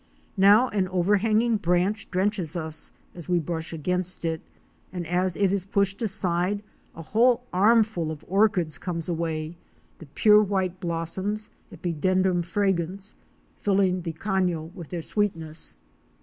Now an overhang ing branch drenches us as we brush against it, and as it is pushed aside a whole armful of orchids comes away, the THE LAND OF A SINGLE TREE. 23 pure white blossoms (Epidendrum fragrans) filling the caho with their sweetness.